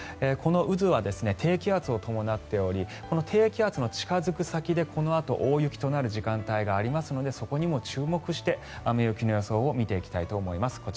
この渦は低気圧を伴っておりこの低気圧の近付く先でこのあと大雪となる時間帯がありますのでそこにも注目して雨、雪の予想を見ていきたいと思います。